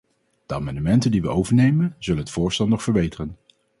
De amendementen die we overnemen, zullen het voorstel nog verbeteren.